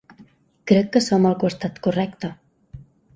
Crec que som al costat correcte.